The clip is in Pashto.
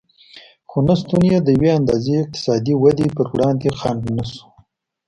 خو نشتون یې د یوې اندازې اقتصادي ودې پر وړاندې خنډ نه شو